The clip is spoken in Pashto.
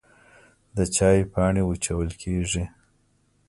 د چای پاڼې وچول کیږي